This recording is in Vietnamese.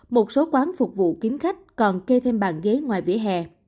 một số quán phục vụ kín khách còn kê thêm bàn ghế ngoài vỉa hè